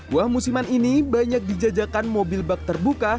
wah musiman ini banyak dijajakan mobil bak terbuka